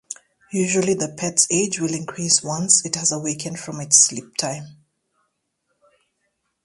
Usually the pet's age will increase once it has awakened from its sleep time.